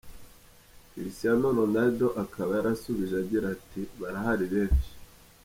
Cristiano Ronaldo akaba yarasubije agira ati :”Barahari benshi.